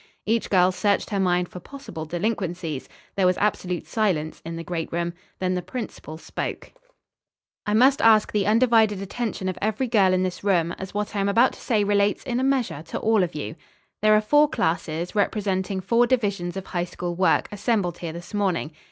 Each girl searched her mind for possible delinquencies There was absolute silence in the great room. Then the principal spoke: "I must ask the undivided attention of every girl in this room, as what I am about to say relates in a measure to all of you. "There are four classes, representing four divisions of high school work, assembled here this morning.